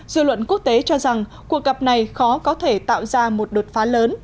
dư luận quốc tế cho rằng cuộc gặp này khó có thể tạo ra một đột phá lớn